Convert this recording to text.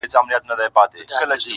په زېور د علم و پوهي یې سینګار کړﺉ,